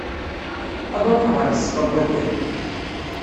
Ad ruḥeɣ ɣer tzeqqa n waddal.